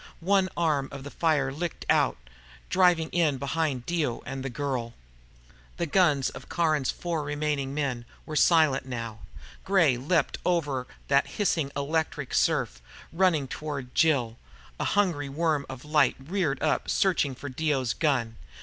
An arm of the fire licked out, driving in behind Dio and the girl. The guns of Caron's four remaining men were silent, now. Gray leaped over that hissing electric surf, running toward Jill. A hungry worm of light reared up, searching for Dio's gun.